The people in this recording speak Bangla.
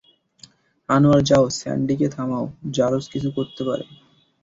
আনোয়ার যাও স্যান্ডি কে থামাও, জারজ কিছু করতে পারে।